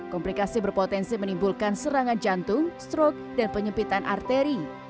komplikasi berpotensi menimbulkan serangan jantung stroke dan penyempitan arteri